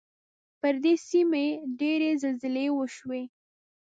پر دې سیمې ډېرې زلزلې وشوې.